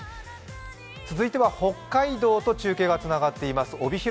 続いては北海道・帯広と中継がつながっています。